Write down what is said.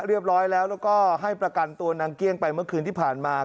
เรียบร้อยแล้วแล้วก็ให้ประกันตัวนางเกี้ยงไปเมื่อคืนที่ผ่านมา